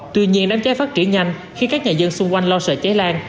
tuy nhiên đám cháy phát triển nhanh khi các nhà dân xung quanh lo sợ cháy lan